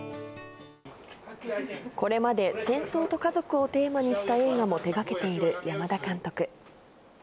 これまで戦争と家族をテーマにした映画も手がけている山田監督。